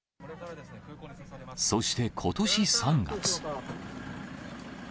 そしてことし３月。